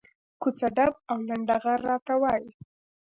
کوڅه ډب او لنډه غر راته وایي.